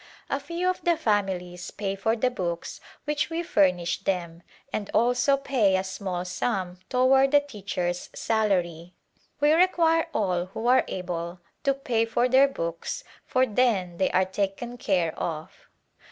A few of the families pay for the books which we furnish them and also pay a small sum toward the teacher's salary. We require all who are able to pay for their books for then they are taken care of.